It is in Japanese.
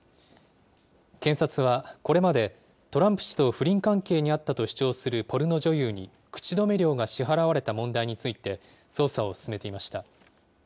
検察はこれまで、トランプ氏と不倫関係にあったと主張するポルノ女優に口止め料が支払われた問題について捜査を進めていました。